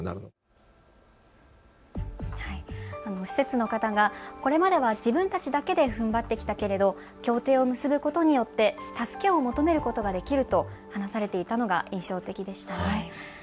施設の方がこれまでは自分たちだけでふんばってきたけれど、協定を結ぶことによって助けを求めることができると話されていたのが印象的でした。